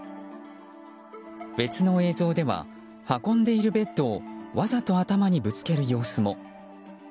別の映像では運んでいるベッドをわざと頭にぶつける様子も。